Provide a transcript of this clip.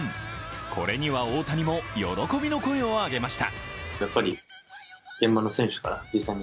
これには大谷も喜びの声を上げました。